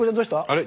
あれ？